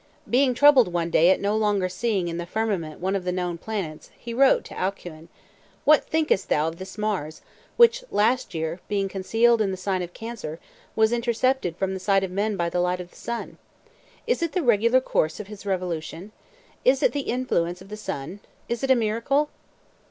Being troubled one day at no longer seeing in the firmament one of the known planets, he wrote to Alcuin, "What thinkest thou of this Mars, which, last year, being concealed in the sign of Cancer, was intercepted from the sight of men by the light of the sun? Is it the regular course of his revolution? Is it the influence of the sun? Is it a miracle?